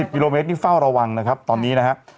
กิโลเมตรนี่เฝ้าระวังนะครับตอนนี้นะครับ